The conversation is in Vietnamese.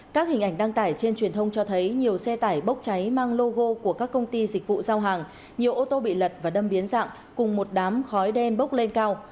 các hình ảnh đăng tải trên truyền thông cho thấy nhiều xe tải bốc cháy mang logo của các công ty dịch vụ giao hàng nhiều ô tô bị lật và đâm biến dạng cùng một đám khói đen bốc lên cao